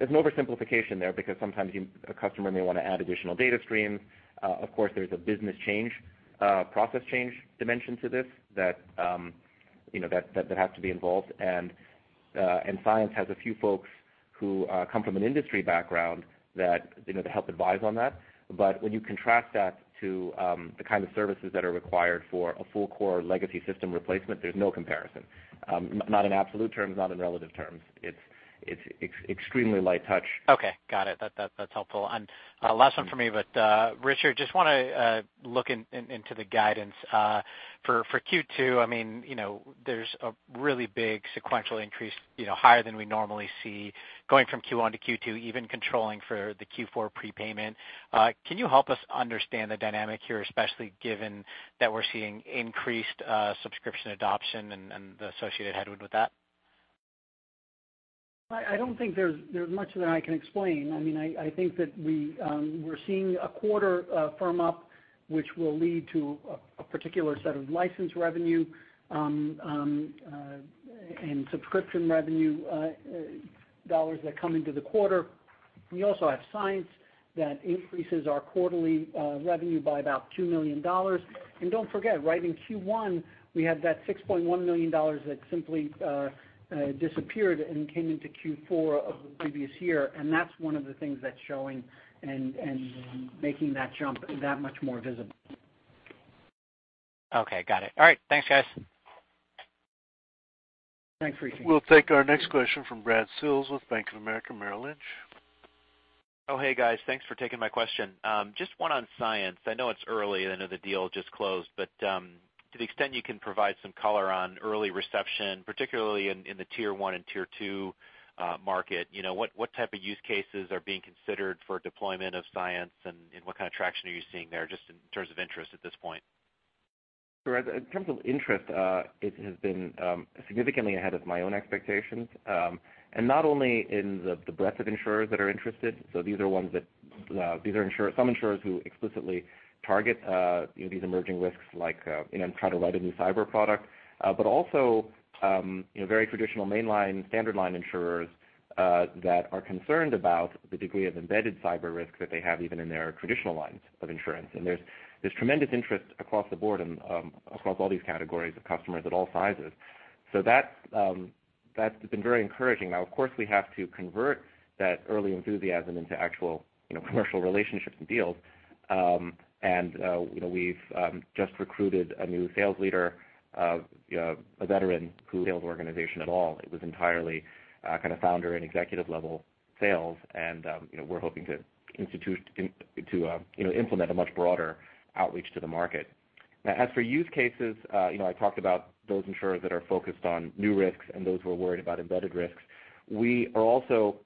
an oversimplification there because sometimes a customer may want to add additional data streams. Of course, there's a business change, process change dimension to this that has to be involved. Cyence has a few folks who come from an industry background to help advise on that. When you contrast that to the kind of services that are required for a full core legacy system replacement, there's no comparison. Not in absolute terms, not in relative terms. It's extremely light touch. Okay, got it. That's helpful. Last one from me, Richard, just want to look into the guidance for Q2. There's a really big sequential increase, higher than we normally see going from Q1 to Q2, even controlling for the Q4 prepayment. Can you help us understand the dynamic here, especially given that we're seeing increased subscription adoption and the associated headwind with that? I don't think there's much that I can explain. I think that we're seeing a quarter firm up, which will lead to a particular set of license revenue and subscription revenue dollars that come into the quarter. We also have Cyence that increases our quarterly revenue by about $2 million. Don't forget, right in Q1, we had that $6.1 million that simply disappeared and came into Q4 of the previous year. That's one of the things that's showing and making that jump that much more visible. Okay. Got it. All right. Thanks, guys. Thanks for your question. We'll take our next question from Brad Sills with Bank of America Merrill Lynch. Oh, hey, guys. Thanks for taking my question. Just one on Cyence. I know it's early, and I know the deal just closed, but to the extent you can provide some color on early reception, particularly in the tier 1 and tier 2 market. What type of use cases are being considered for deployment of Cyence, and what kind of traction are you seeing there, just in terms of interest at this point? Brad, in terms of interest, it has been significantly ahead of my own expectations. Not only in the breadth of insurers that are interested, these are some insurers who explicitly target these emerging risks, like try to write a new cyber product. Also very traditional mainline, standard line insurers that are concerned about the degree of embedded cyber risk that they have even in their traditional lines of insurance. There's tremendous interest across the board and across all these categories of customers at all sizes. That's been very encouraging. Of course, we have to convert that early enthusiasm into actual commercial relationships and deals. We've just recruited a new sales leader, a veteran sales organization at all. It was entirely founder- and executive-level sales. We're hoping to implement a much broader outreach to the market. As for use cases, I talked about those insurers that are focused on new risks and those who are worried about embedded risks. We are also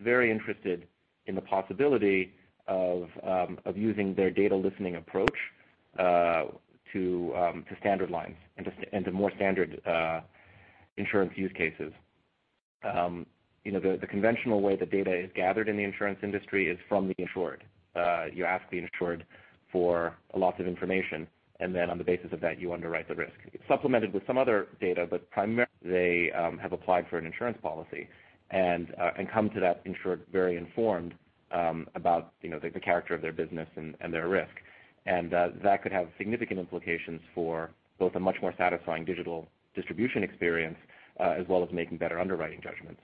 very interested in the possibility of using their data listening approach to standard lines and to more standard insurance use cases. The conventional way that data is gathered in the insurance industry is from the insured. You ask the insured for a lot of information, then on the basis of that, you underwrite the risk. It's supplemented with some other data, but primarily they have applied for an insurance policy and come to that insurer very informed about the character of their business and their risk. That could have significant implications for both a much more satisfying digital distribution experience as well as making better underwriting judgments.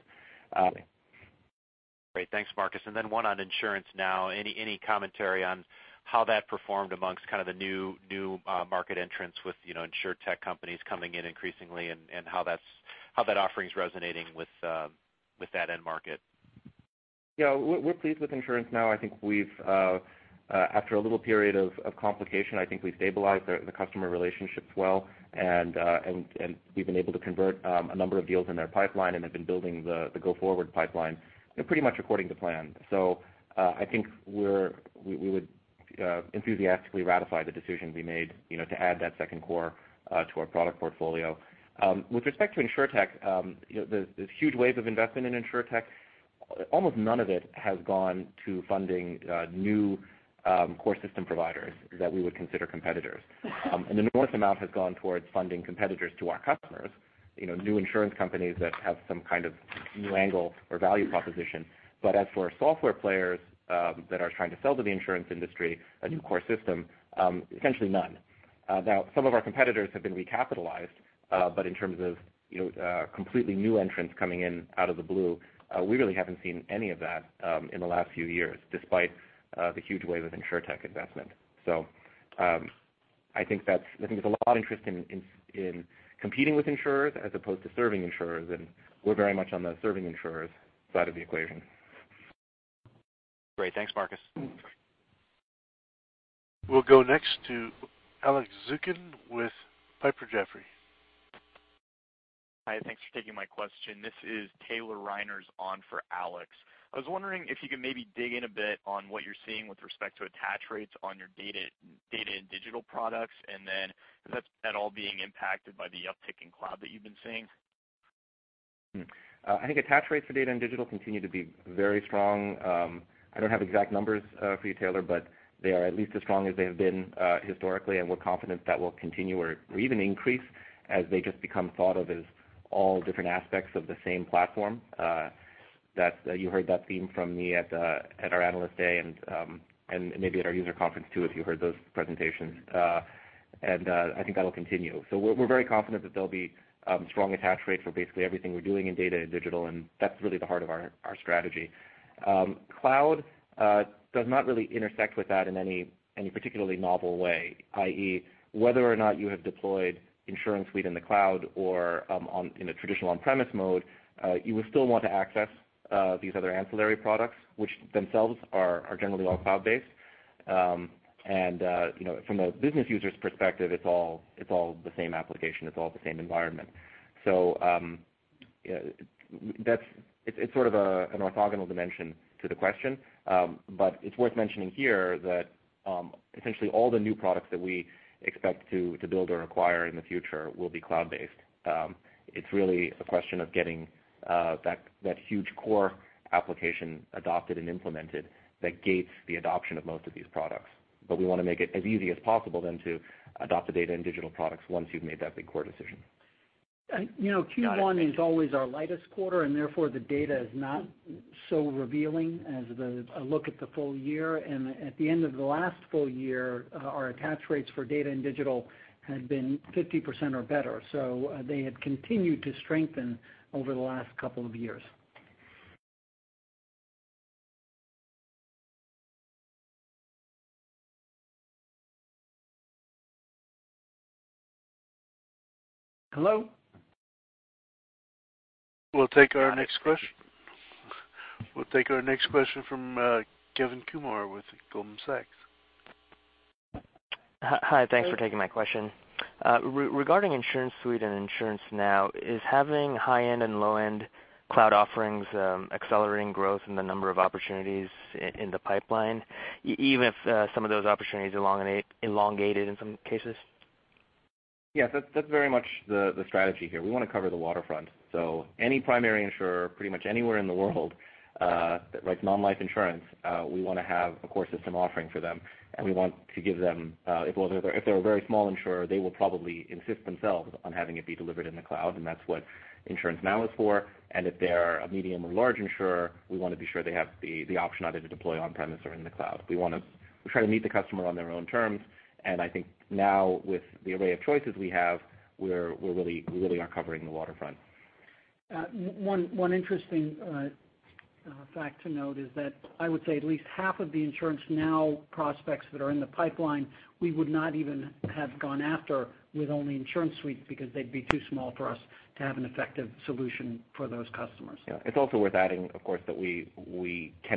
Great. Thanks, Marcus. Then one on InsuranceNow. Any commentary on how that performed amongst kind of the new market entrants with insurtech companies coming in increasingly and how that offering's resonating with that end market? We're pleased with InsuranceNow. I think after a little period of complication, I think we've stabilized the customer relationships well, we've been able to convert a number of deals in their pipeline and have been building the go-forward pipeline pretty much according to plan. I think we would enthusiastically ratify the decision we made to add that second core to our product portfolio. With respect to insurtech, this huge wave of investment in insurtech, almost none of it has gone to funding new core system providers that we would consider competitors. An enormous amount has gone towards funding competitors to our customers. New insurance companies that have some kind of new angle or value proposition. As for software players that are trying to sell to the insurance industry, a new core system, essentially none. Some of our competitors have been recapitalized, but in terms of completely new entrants coming in out of the blue, we really haven't seen any of that in the last few years, despite the huge wave of insurtech investment. I think there's a lot of interest in competing with insurers as opposed to serving insurers, and we're very much on the serving insurers side of the equation. Great. Thanks, Marcus. We'll go next to Alex Zukin with Piper Jaffray. Hi, thanks for taking my question. This is Taylor Radke on for Alex. I was wondering if you could maybe dig in a bit on what you're seeing with respect to attach rates on your data and digital products, and then is that at all being impacted by the uptick in cloud that you've been seeing? I think attach rates for data and digital continue to be very strong. I don't have exact numbers for you, Taylor, but they are at least as strong as they have been historically, and we're confident that will continue or even increase as they just become thought of as all different aspects of the same platform. You heard that theme from me at our Analyst Day and maybe at our user conference, too, if you heard those presentations. I think that'll continue. We're very confident that there'll be strong attach rates for basically everything we're doing in data and digital, and that's really the heart of our strategy. Cloud does not really intersect with that in any particularly novel way, i.e., whether or not you have deployed InsuranceSuite in the cloud or in a traditional on-premise mode, you would still want to access these other ancillary products, which themselves are generally all cloud-based. From a business user's perspective, it's all the same application. It's all the same environment. It's sort of an orthogonal dimension to the question. It's worth mentioning here that essentially all the new products that we expect to build or acquire in the future will be cloud-based. It's really a question of getting that huge core application adopted and implemented that gates the adoption of most of these products. We want to make it as easy as possible then to adopt the data and digital products once you've made that big core decision. Q1 is always our lightest quarter, and therefore, the data is not so revealing as a look at the full year. At the end of the last full year, our attach rates for data and digital had been 50% or better, so they had continued to strengthen over the last couple of years. Hello? We'll take our next question from Kevin Kumar with Goldman Sachs. Hi. Thanks for taking my question. Regarding InsuranceSuite and InsuranceNow, is having high-end and low-end cloud offerings accelerating growth in the number of opportunities in the pipeline, even if some of those opportunities elongated in some cases? Yes, that's very much the strategy here. We want to cover the waterfront. Any primary insurer, pretty much anywhere in the world, that writes non-life insurance, we want to have a core system offering for them. We want to give them, if they're a very small insurer, they will probably insist themselves on having it be delivered in the cloud, and that's what InsuranceNow is for. If they're a medium or large insurer, we want to be sure they have the option either to deploy on-premise or in the cloud. We try to meet the customer on their own terms, and I think now with the array of choices we have, we really are covering the waterfront. One interesting fact to note is that I would say at least half of the InsuranceNow prospects that are in the pipeline, we would not even have gone after with only InsuranceSuite because they'd be too small for us to have an effective solution for those customers. Yeah. It's also worth adding, of course, that we are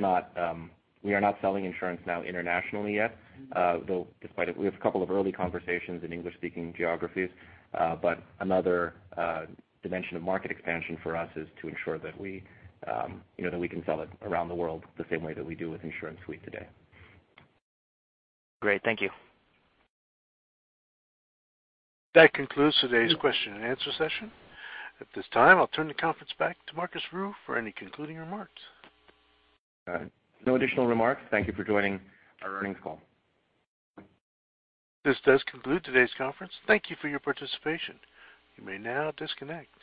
not selling InsuranceNow internationally yet, though we have a couple of early conversations in English-speaking geographies. Another dimension of market expansion for us is to ensure that we can sell it around the world the same way that we do with InsuranceSuite today. Great. Thank you. That concludes today's question and answer session. At this time, I'll turn the conference back to Marcus Ryu for any concluding remarks. No additional remarks. Thank you for joining our earnings call. This does conclude today's conference. Thank you for your participation. You may now disconnect.